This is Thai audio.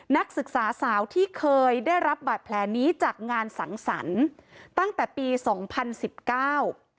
นักศึกษาสาวที่เคยได้รับบาดแผลนี้จากงานสังสรรค์ตั้งแต่ปีสองพันสิบเก้า